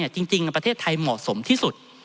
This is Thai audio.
จริงประเทศไทยเหมาะสมที่สุด